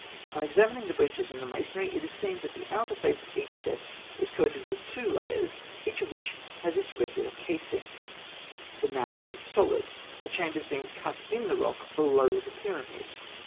On examining the breaches in the masonry, it is seen that the outer face of each step is coated with two layers, each of which has its regular casing (Note 32). The mass is solid, the chambers being cut in the rock below the pyramid.